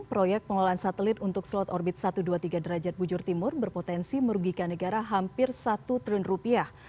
proyek pengelolaan satelit untuk slot orbit satu ratus dua puluh tiga derajat bujur timur berpotensi merugikan negara hampir satu triliun rupiah